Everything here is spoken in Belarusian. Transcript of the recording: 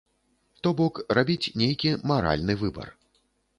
То бок рабіць нейкі маральны выбар.